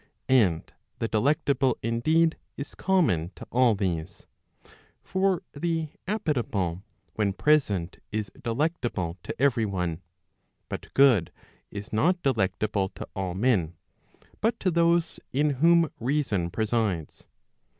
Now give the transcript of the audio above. And the delectable indeed, is common to all these. For the appetible when present is delectable to every one, but good is not delectable to all men, but to those in whom reason presides.